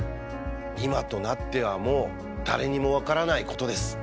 今となってはもう誰にも分からないことです。